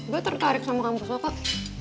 gua tertarik sama kampus lo kak